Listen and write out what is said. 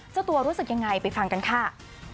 เจ้าตัวรู้สึกยังไงไปฟังกันค่ะ